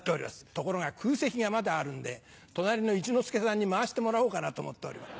ところが空席がまだあるんで隣の一之輔さんに回してもらおうかなと思っております。